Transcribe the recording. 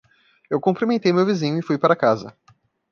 Eu cumprimentei meu vizinho e fui para casa.